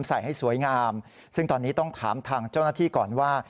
ให้สวยงามซึ่งตอนนี้ต้องถามทางเจ้าหน้าที่ก่อนว่า